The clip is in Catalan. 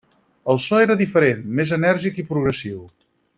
El so era diferent, més enèrgic i progressiu.